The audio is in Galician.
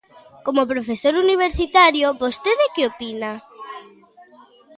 Como profesor universitario, ¿vostede que opina?